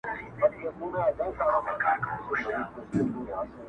له باران سره ملګري توند بادونه -